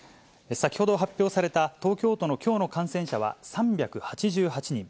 先ほど発表された東京都のきょうの感染者は３８８人。